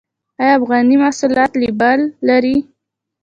آیا افغاني محصولات لیبل لري؟